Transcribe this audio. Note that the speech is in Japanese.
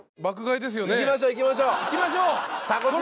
いきましょう。